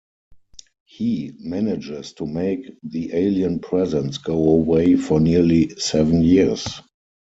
He manages to make the alien presence go away for nearly seven years.